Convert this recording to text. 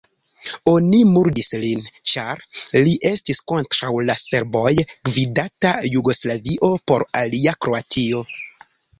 Oni murdis lin, ĉar li estis kontraŭ la serboj-gvidata Jugoslavio, por alia Kroatio.